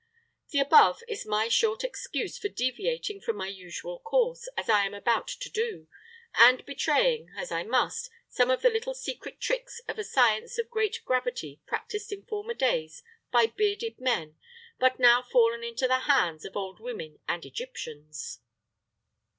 The above is my short excuse for deviating from my usual course, as I am about to do, and betraying, as I must, some of the little secret tricks of a science of great gravity practiced in former days by bearded men, but now fallen into the hands of old women and Egyptians.